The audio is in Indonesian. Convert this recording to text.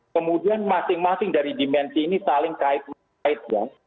kemudian masing masing dari dimensi ini saling kait kaitkan